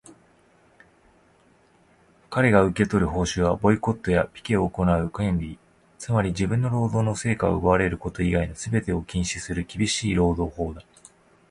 かれが受け取る報酬は、ボイコットやピケを行う権利、つまり自分の労働の成果を奪われること以外のすべてを禁止する厳しい労働法だ。